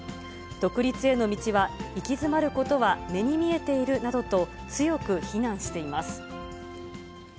独立への道は行き詰まることは目に見えているなどと、強く非難しています。